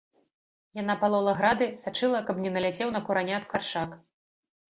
Яна палола грады, сачыла каб не наляцеў на куранят каршак.